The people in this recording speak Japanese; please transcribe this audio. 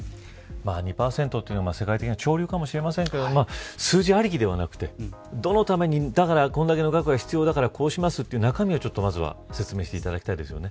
２％というのは世界的な潮流かもしれませんが数字ありきではなくてこれだけの額が必要だからこうしますという中身をまずは説明していただきたいですね。